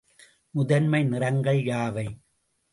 முதன்மை நிறங்கள் யாவை?